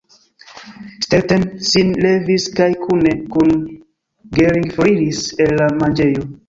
Stetten sin levis kaj kune kun Gering foriris el la manĝejo.